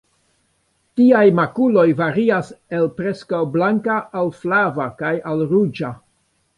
Tiaj makuloj varias el preskaŭ blanka al flava, kaj al ruĝa.